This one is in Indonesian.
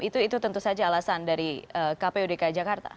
itu tentu saja alasan dari kp udk jakarta